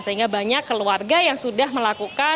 sehingga banyak keluarga yang sudah melakukan